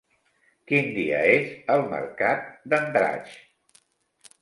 Quin dia és el mercat d'Andratx?